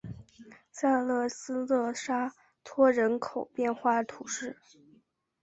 萨勒斯勒沙托人口变化图示